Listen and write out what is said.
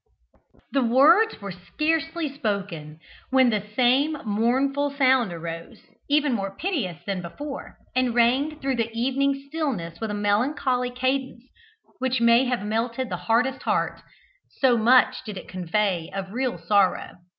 The words were scarcely spoken, when the same mournful sound arose, even more piteous than before, and rang through the evening stillness with a melancholy cadence which might have melted the hardest heart, so much did it convey of real sorrow.